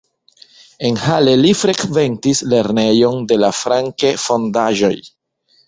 En Halle li frekventis lernejon de la Francke-fondaĵoj.